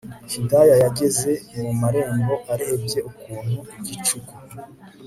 Hidaya yageze mu marembo arebye ukuntu igicuku